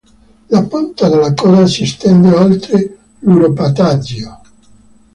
La punta della coda si estende oltre l'uropatagio.